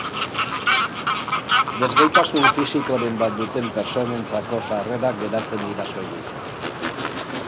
Desgaitasun fisikoren bat duten pertsonentzako sarrerak geratzen dira soilik.